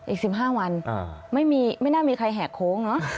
อีก๑๕วันไม่น่ามีใครแหกโค้งเนอะ